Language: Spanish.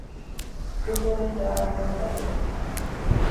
Su sede está en Punta Gorda.